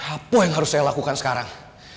apa yang harus saya lakukan sekarang